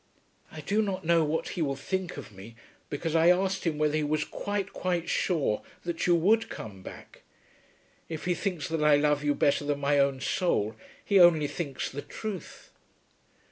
I do not know what he will think of me, because I asked him whether he was quite, quite sure that you would come back. If he thinks that I love you better than my own soul, he only thinks the truth.